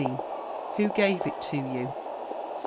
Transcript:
Who gave it to you? 17.